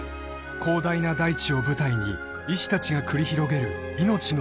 ［広大な大地を舞台に医師たちが繰り広げる命の物語］